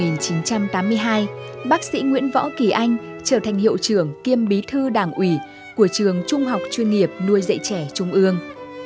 năm một nghìn chín trăm tám mươi hai bác sĩ nguyễn võ kỳ anh trở thành hiệu trưởng kiêm bí thư đảng ủy của trường trung học chuyên nghiệp nuôi dạy trẻ trung ương